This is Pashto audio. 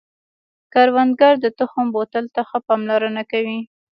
کروندګر د تخم بوتل ته ښه پاملرنه کوي